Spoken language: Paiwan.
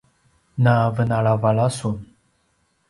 navenalavala sun!